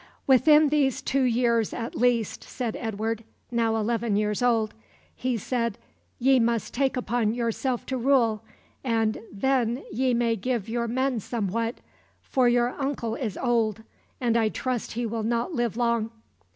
"Within these two years at least," said Edward, now eleven years old, "he said, 'Ye must take upon yourself to rule, and then ye may give your men somewhat; for your uncle is old, and I trust he will not live long.